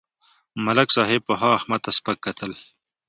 ملک صاحب پخوا احمد ته سپکه کتل.